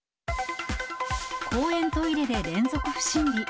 公園トイレで連続不審火。